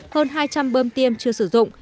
hơn hai trăm linh bơm tiêm chưa sử dụng